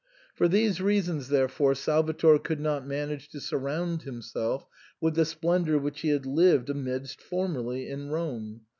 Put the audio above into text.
For these reasons, therefore, Salvator could not manage to surround him self with the splendour which he had lived amidst for merly in Rome.